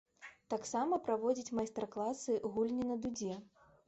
Таксама праводзіць майстар-класы гульні на дудзе.